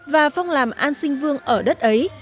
và phong làm an sinh vương ở đất ấy